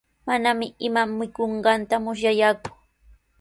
Manami ima mikunqanta musyallaaku.